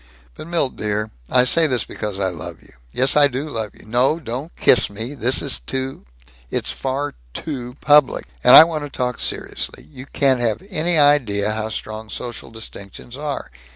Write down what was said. But, Milt dear I say this because I love you. Yes, I do love you. No, don't kiss me. Yes, it is too It's far too public. And I want to talk seriously. You can't have any idea how strong social distinctions are.